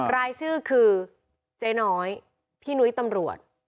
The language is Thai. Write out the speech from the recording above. รายชื่อคือเจ๊น้อยพี่นุ้ยตำรวจ